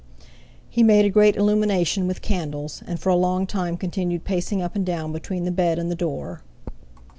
He made a great illumination with candles, and for a long time continued pacing up and down between the bed and the door.